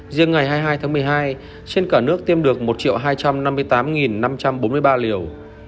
riêng ngày hai mươi hai tháng một mươi hai trên cả nước tiêm được một hai trăm năm mươi tám năm trăm bốn mươi ba liều